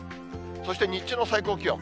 そして日中の最高気温。